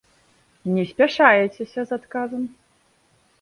Не спяшаецеся з адказам.